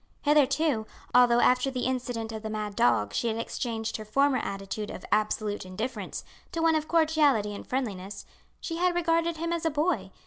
Hitherto, although after the incident of the mad dog she had exchanged her former attitude of absolute indifference to one of cordiality and friendliness, she had regarded him as a boy.